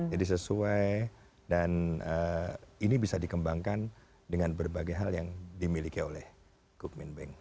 jadi sesuai dan ini bisa dikembangkan dengan berbagai hal yang dimiliki oleh kukmin bank